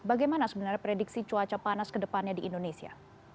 bagaimana sebenarnya prediksi cuaca panas ke depannya di indonesia